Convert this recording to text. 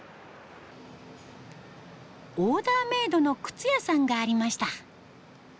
オーダーメイドの靴屋さんがありました。